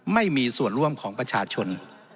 ไม่มีส่วนร่วมของประชาชน